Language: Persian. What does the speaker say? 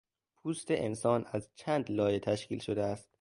پوست انسان از چند لایه تشکیل شده است.